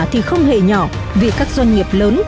thì không hề nhỏ vì các doanh nghiệp lớn